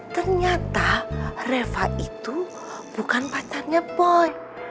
ternyata reva itu bukan pacarnya boy